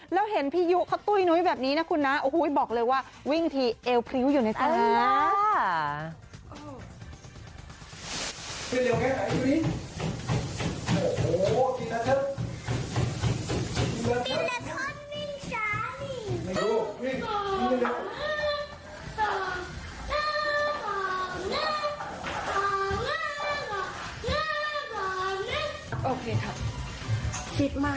แล้วเห็นพี่ยุเขาตุ้ยนุ้ยแบบนี้นะคุณนะโอ้โหบอกเลยว่าวิ่งทีเอวพริ้วอยู่ในตา